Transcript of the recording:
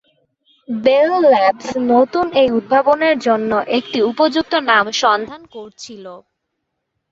Bell Labs নতুন এই উদ্ভাবনের জন্য একটি উপযুক্ত নাম সন্ধান করছিল।